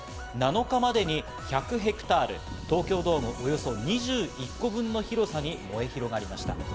７日までに１００ヘクタール、東京ドームおよそ２１個分の広さに燃え広がりました。